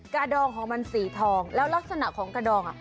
ดองของมันสีทองแล้วลักษณะของกระดอง